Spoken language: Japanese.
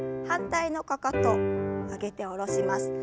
反対のかかと上げて下ろします。